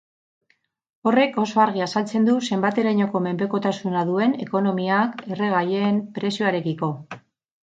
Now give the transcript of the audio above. Horrek oso argi azaltzen du zenbaterainoko menpekotasuna duen ekonomiak erregaien prezioarekiko.